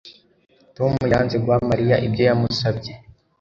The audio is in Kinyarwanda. Tom yanze guha Mariya ibyo yamusabye